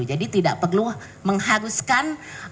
jadi tidak perlu mengharuskannya